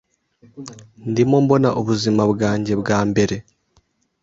Ndimo mbona ubuzima bwanjye bwa mbere